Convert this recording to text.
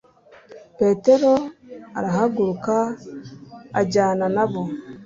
petero arahaguruka ajyana na bo